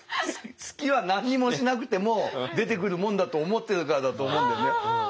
好きは何にもしなくても出てくるもんだと思ってるからだと思うんだよね。